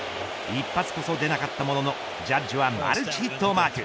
一発こそ出なかったもののジャッジはマルチヒットをマーク。